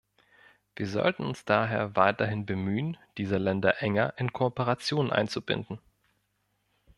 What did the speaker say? Wir sollten uns daher weiterhin bemühen, diese Länder enger in Kooperationen einzubinden.